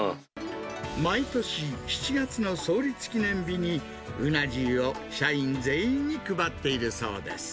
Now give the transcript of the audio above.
毎年、７月の創立記念日に、うな重を社員全員に配っているそうです。